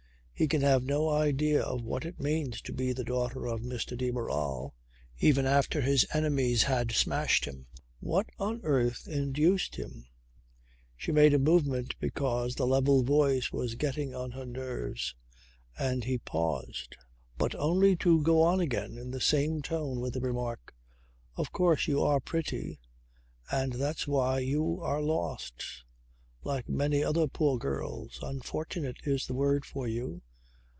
He can have no idea of what it means to be the daughter of Mr. de Barral even after his enemies had smashed him. What on earth induced him " She made a movement because the level voice was getting on her nerves. And he paused, but only to go on again in the same tone with the remark: "Of course you are pretty. And that's why you are lost like many other poor girls. Unfortunate is the word for you."